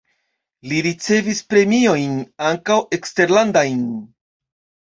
Li ricevis premiojn (ankaŭ eksterlandajn).